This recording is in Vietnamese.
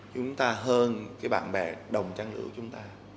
chúng ta hơn cái bạn bè đồng trang lưỡi của chúng ta